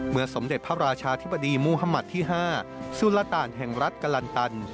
เมื่อสมเด็จพระราชาธิบดีมหมาตย์ที่ห้าสุรต่านแห่งรัฐกลัลตัน